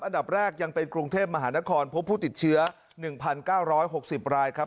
อันดับแรกยังเป็นกรุงเทพมหานครพบผู้ติดเชื้อ๑๙๖๐รายครับ